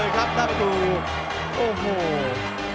อันดับสุดท้ายของมันก็คือ